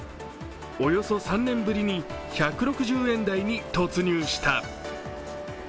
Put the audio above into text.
およそ３年ぶりに１６０円台に突入した。